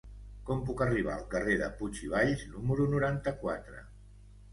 Com puc arribar al carrer de Puig i Valls número noranta-quatre?